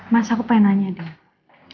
mas aku pengen nanya dong